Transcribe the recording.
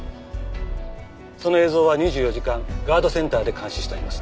その映像は２４時間ガードセンターで監視しています。